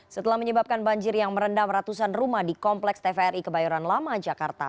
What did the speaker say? setelah menyebabkan banjir yang merendam ratusan rumah di kompleks tvri kebayoran lama jakarta